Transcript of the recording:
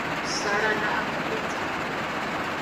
salra la ’akapicae